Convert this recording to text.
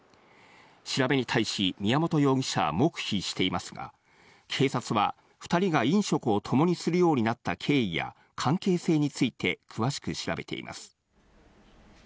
調べに対し、宮本容疑者は黙秘していますが、警察は、２人が飲食をともにするようになった経緯や関係性について詳しく調べています。